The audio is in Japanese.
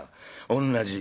おんなじ。